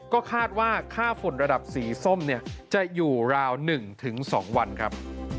ก็คาดว่าค่าฝุ่นระดับสีส้มเนี่ยจะอยู่ราว๑๒วันครับ